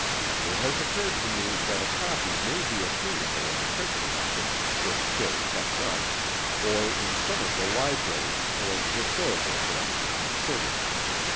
It has occurred to me that a copy may be attainable at the printing office, if still kept up, or in some of the libraries or historical collections in the city.